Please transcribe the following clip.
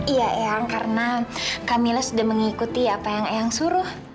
iya eyang karena kamilah sudah mengikuti apa yang eyang suruh